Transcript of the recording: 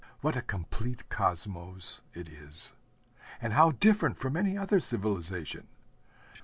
What a complete cosmos it is! And how different from any other civilization!